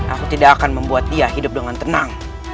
aku tidak akan membuat dia hidup dengan tenang